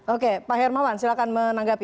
oke pak hermawan silahkan menanggapi